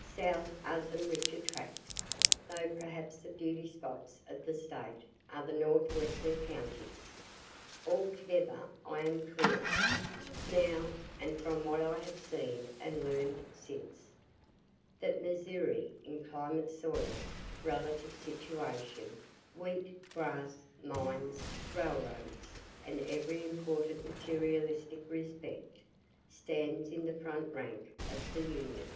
South are some richer tracts, though perhaps the beauty spots of the State are the northwestern counties. Altogether, I am clear, (now, and from what I have seen and learn'd since,) that Missouri, in climate, soil, relative situation, wheat, grass, mines, railroads, and every important materialistic respect, stands in the front rank of the Union.